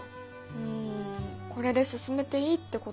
うんこれで進めていいってことかな？